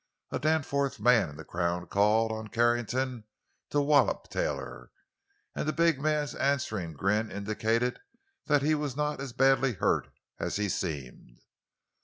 A Danforth man in the crowd called on Carrington to "wallop" Taylor, and the big man's answering grin indicated that he was not as badly hurt as he seemed.